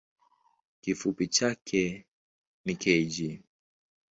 Kifupi chake ni kg.